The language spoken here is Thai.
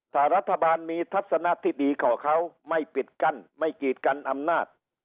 ถ้ารัฐบาลมีทัศนะที่ดีกว่าเขาไม่ปิดกั้นไม่กีดกันอำนาจ